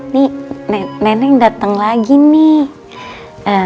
nih nenek datang lagi nih